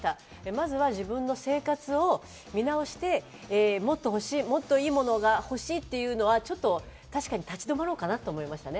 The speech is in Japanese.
まずは自分の生活を見直して、もっといいものが欲しいというのは確かに立ち止まろうかなと思います。